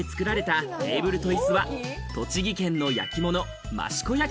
この陶器で作られたテーブルといすは栃木県の焼き物、益子焼。